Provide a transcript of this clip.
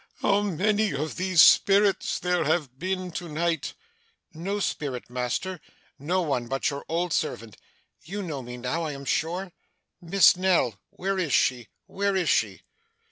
How many of these spirits there have been to night!' 'No spirit, master. No one but your old servant. You know me now, I am sure? Miss Nell where is she where is she?